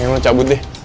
ini lu cabut deh